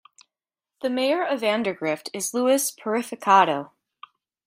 The mayor of Vandergrift is Louis Purificato.